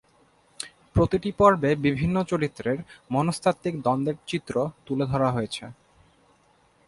প্রতিটি পর্বে বিভিন্ন চরিত্রের মনস্তাত্ত্বিক দ্বন্দ্বের চিত্র তুলে ধরা হয়েছে।